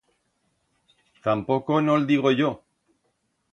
Tampoco no'l digo yo.